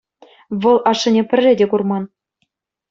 Вӑл ашшӗне пӗрре те курман.